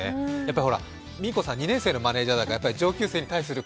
美声さん、２年生のマネージャーだから上級生に対する